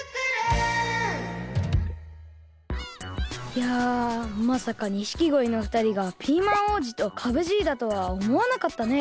いやまさか錦鯉のふたりがピーマン王子とかぶじいだとはおもわなかったね。